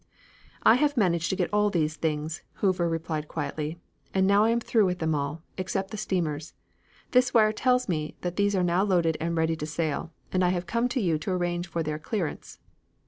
"I have managed to get all these things," Hoover replied quietly, "and am now through with them all, except the steamers. This wire tells me that these are now loaded and ready to sail, and I have come to have you arrange for their clearance."